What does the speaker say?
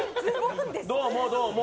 どうも、どうも。